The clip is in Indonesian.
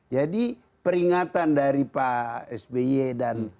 jadi peringatan dari pak sby dan